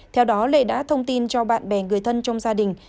theo đó lệ đã thông tin cho bạn bè người thân trong gia đình